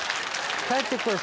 帰って来い。